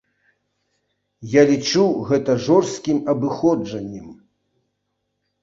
Я лічу гэта жорсткім абыходжаннем.